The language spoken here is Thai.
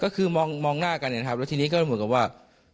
ก็คือมองหน้ากันนะครับแล้วทีนี้ก็เหมือนกับว่า